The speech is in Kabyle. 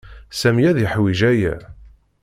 Sami ad yeḥwij aya.